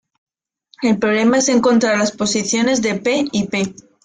El problema es encontrar las posiciones de "P" y "P".